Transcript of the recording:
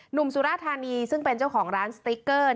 สุราธานีซึ่งเป็นเจ้าของร้านสติ๊กเกอร์